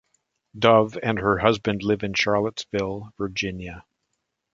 Dove and her husband live in Charlottesville, Virginia.